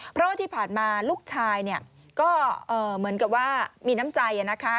เพราะว่าที่ผ่านมาลูกชายเนี่ยก็เหมือนกับว่ามีน้ำใจนะคะ